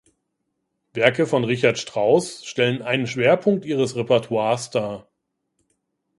Werke von Richard Strauss stellen einen Schwerpunkt ihres Repertoires dar.